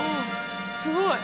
すごい。